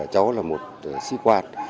cháu là một sĩ quan